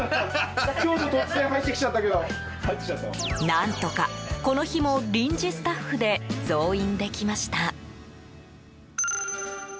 何とか、この日も臨時スタッフで増員できました。